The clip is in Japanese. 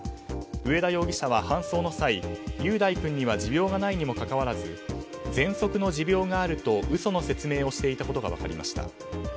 上田容疑者は搬送の際雄大君には持病がないにもかかわらずぜんそくの持病があると嘘の説明をしていたことが分かりました。